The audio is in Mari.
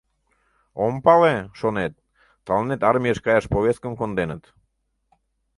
Ом пале, шонет: тыланет армийыш каяш повесткым конденыт.